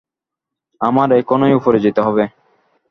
আমার এখনই উপরে যেতে হবে।